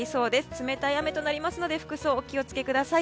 冷たい雨となりますので服装、お気を付けください。